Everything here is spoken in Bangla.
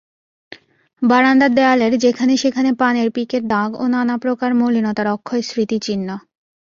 বারান্দার দেয়ালের যেখানে-সেখানে পানের পিকের দাগ ও নানাপ্রকার মলিনতার অক্ষয় স্মৃতিচিহ্ন।